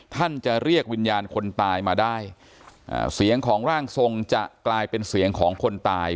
ท่านจะเรียกวิญญาณคนตายมาได้เสียงของร่างทรงจะกลายเป็นเสียงของคนตาย